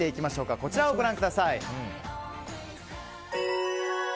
こちら、ご覧ください。